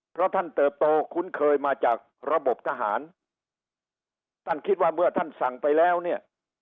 เพราะท่านเติบโตคุ้นเคยมาจากระบบทหารท่านคิดว่าเมื่อท่านสั่งไปแล้วเนี่ย